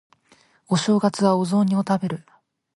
お正月はお雑煮を食べる